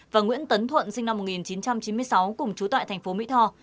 và nguyễn tấn thuận sinh năm một nghìn chín trăm chín mươi sáu cùng trú tại thành phố mỹ tho